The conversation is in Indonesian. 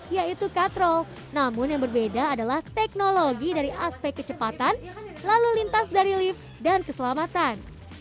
yaitu katrol namun yang berbeda adalah teknologi dari aspek kecepatan lalu lintas dari lift dan keselamatan